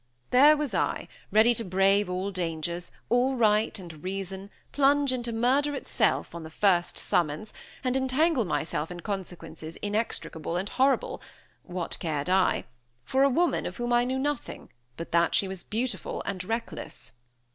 There was I, ready to brave all dangers, all right and reason, plunge into murder itself, on the first summons, and entangle myself in consequences inextricable and horrible (what cared I?) for a woman of whom I knew nothing, but that she was beautiful and reckless!